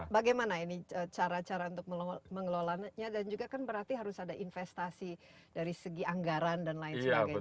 bagaimana ini cara cara untuk mengelolanya dan juga kan berarti harus ada investasi dari segi anggaran dan lain sebagainya